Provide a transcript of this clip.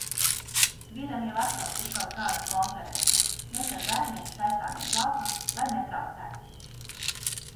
Vīram jau atkal ir kaut kāda konference, mēs ar bērniem taisāmies laukā, lai netraucētu.